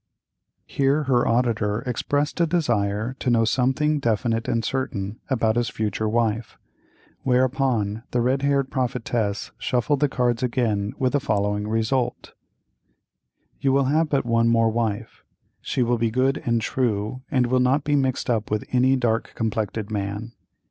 Here her auditor expressed a desire to know something definite and certain about his future wife, whereupon the red haired prophetess shuffled the cards again with the following result: "You will have but one more wife. She will be good and true, and will not be mixed up with any dark complected man.